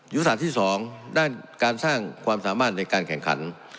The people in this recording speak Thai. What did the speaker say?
ศาสตร์ที่๒ด้านการสร้างความสามารถในการแข่งขัน